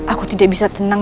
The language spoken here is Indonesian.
aku tidak bisa tenang